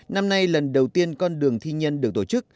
năm nay lần đầu tiên con đường thi nhân được tổ chức